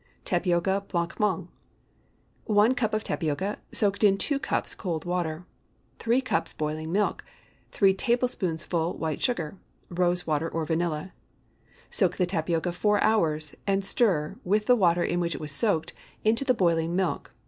TAPIOCA BLANC MANGE. ✠ 1 cup of tapioca soaked in two cups cold water. 3 cups boiling milk. 3 tablespoonfuls white sugar. Rose water or vanilla. Soak the tapioca four hours, and stir, with the water in which it was soaked, into the boiling milk.